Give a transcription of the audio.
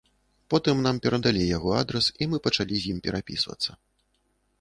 Потым нам перадалі яго адрас, і мы пачалі з ім перапісвацца.